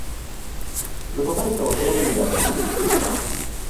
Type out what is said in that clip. Здабываецца ў асноўным для атрымання футра.